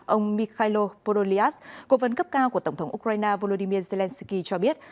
ông mikhailo podolyas cố vấn cấp cao của tổng thống ukraine volodymyr zelensky cho biết